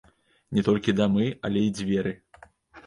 Не толькі дамы, але і дзверы!